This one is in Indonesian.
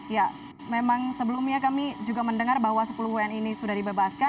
ya memang sebelumnya kami juga mendengar bahwa sepuluh wni ini sudah dibebaskan